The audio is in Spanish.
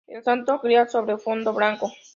El Santo Grial sobre fondo blanco.